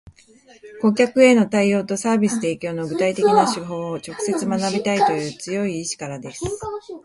顧客への対応とサービス提供の具体的な手法を直接学びたいという強い意志からです